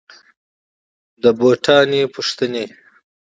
د بوټاني پوښتني